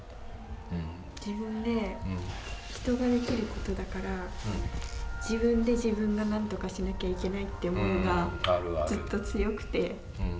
自分で人ができることだから自分で自分がなんとかしなきゃいけないって思いがずっと強くて。